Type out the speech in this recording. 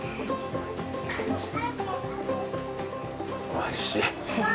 おいしい。